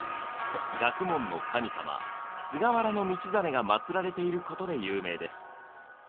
学問の神様・菅原道真がまつられていることで有名です。